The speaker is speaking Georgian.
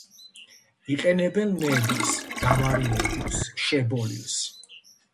იყენებენ ნედლს, დამარილებულს, შებოლილს.